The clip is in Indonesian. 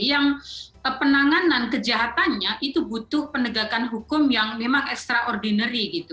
yang penanganan kejahatannya itu butuh penegakan hukum yang memang extraordinary gitu